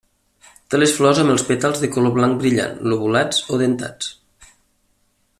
Té les flors amb els pètals de color blanc brillant, lobulats o dentats.